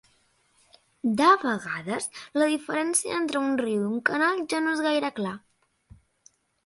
De vegades, la diferència entre un riu i un canal ja no és gaire clar.